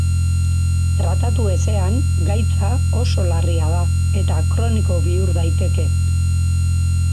Tratatu ezean gaitza oso larria da, eta kroniko bihur daiteke.